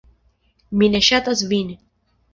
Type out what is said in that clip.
Mi ne ŝatas vin.